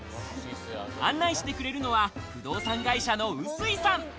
案内してくれるのは不動産会社の臼井さん。